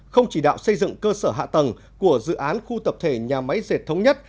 không chỉ đạo xây dựng cơ sở hạ tầng của dự án khu tập thể nhà máy dệt thống nhất